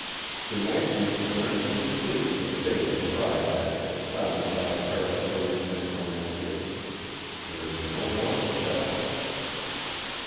To night's recurrence completes the 'fatal triad' expounded by Parapelius Necromantius. There is no more to tell."